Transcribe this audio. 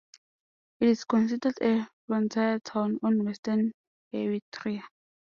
It is considered a frontier town on western Eritrea.